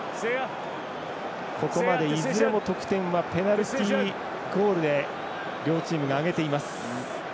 いずれも得点はペナルティゴールで両チームが挙げています。